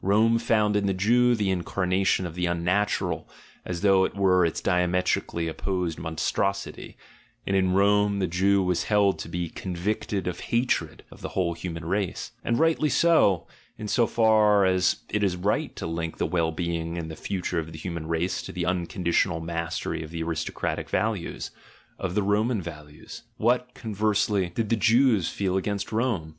Rome found in the Jew the incarnation of the unnatural, as though it were 36 THE GENEALOGY OF MORALS its diametrically opposed monstrosity, and in Rome the Jew was held to be convicted oj hatred of the whole human race: and rightly so, in so far as it is right to link the well being and the future of the human race to the unconditional mastery of the aristocratic values, of the Roman values. What, conversely, did the Jews feel against Rome?